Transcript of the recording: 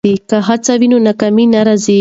که هڅه وي نو ناکامي نه راځي.